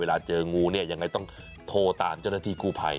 เวลาเจองูเนี่ยหรืออย่างไรต้องโทรตามเจ้านักที่กู้หาย